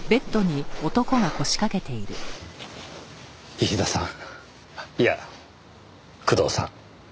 石田さんいや工藤さん。